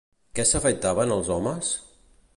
Què s'afaitaven els homes?